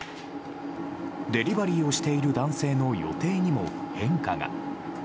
デリバリーをしている男性の予定にも変化が。